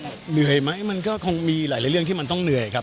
เหนื่อยไหมมันก็คงมีหลายเรื่องที่มันต้องเหนื่อยครับ